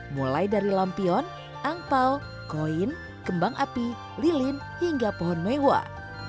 mulai dari lampion angpao koin kembang api lilin hingga pohon mewah